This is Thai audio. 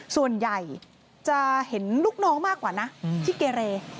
ส่วนใหญ่จะเห็นลูกน้องมากกว่านะที่เกเร